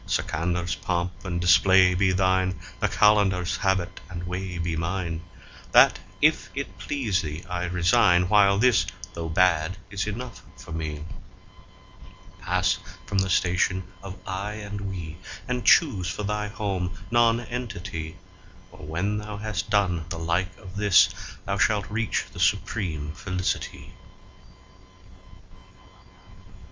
Sikandar's3 pomp and display be thine, the Qalandar's4 habit and way be mine; That, if it please thee, I resign, while this, though bad, is enough for me. Pass from the station of "I" and "We," and choose for thy home Nonentity, For when thou has done the like of this, thou shalt reach the supreme Felicity.